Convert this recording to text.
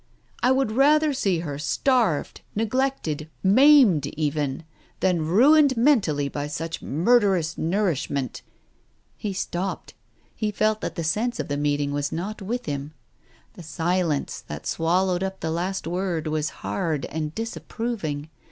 I would rather see her starved, neglected, maimed even, than ruined mentally by such murderous nourishment. ..." He stopped, he felt that the sense of the meeting was not with him. The silence that swallowed up the last word was hard and disapproving.